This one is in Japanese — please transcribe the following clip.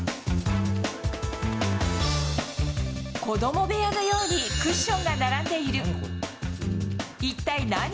子ども部屋のようにクッションが並んでいる。